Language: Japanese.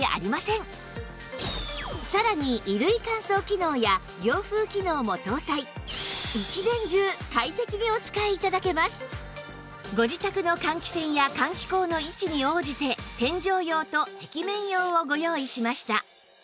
さらに一年中快適にお使い頂けますご自宅の換気扇や換気口の位置に応じて天井用と壁面用をご用意しました